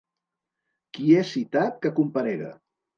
Qui és citat, que comparega.